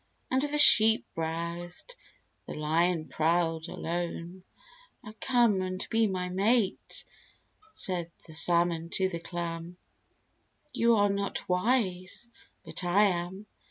And the Sheep browsed, the Lion prowled, alone. "O come and be my mate!" said the Salmon to the Clam; "You are not wise, but I am.